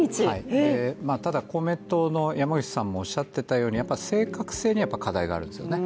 ただ公明党の山口さんもおっしゃっていたように正確性には課題があるんですよね。